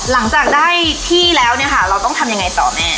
หลังจากได้ที่แล้วเนี่ยค่ะเราต้องทำยังไงต่อแม่